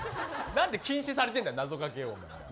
なんで禁止されてるんだ謎かけを。